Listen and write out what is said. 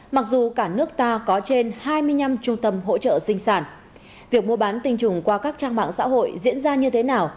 mặc dù cả nước ta có trên hai mươi năm trung tâm hỗ trợ sinh sản việc mua bán tinh trùng qua các trang mạng xã hội diễn ra như thế nào